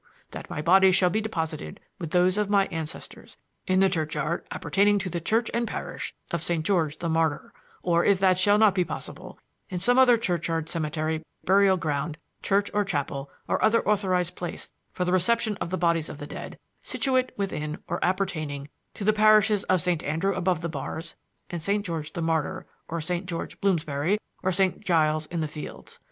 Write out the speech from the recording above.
That my body shall be deposited with those of my ancestors in the churchyard appertaining to the church and parish of St. George the Martyr or if that shall not be possible in some other churchyard cemetery burial ground church or chapel or other authorized place for the reception of the bodies of the dead situate within or appertaining to the parishes of St. Andrew above the Bars and St. George the Martyr or St. George Bloomsbury and St. Giles in the Fields.